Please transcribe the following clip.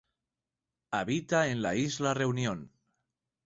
Habita en la Isla Reunión.